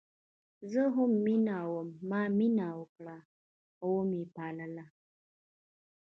زه هم میینه وم ما مینه وکړه وه مې پالل